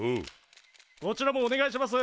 こちらもお願いします。